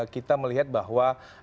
kita melihat bahwa